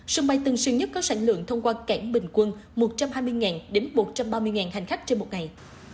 sân bay từng xuyên nhất có sản lượng thông qua cảng bình quân một trăm hai mươi một trăm ba mươi hành khách trên một ngày